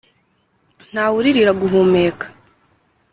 ntawuririra guhumeka